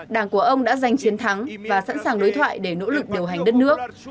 đảng của ông đã giành chiến thắng và sẵn sàng đối thoại để nỗ lực điều hành đất nước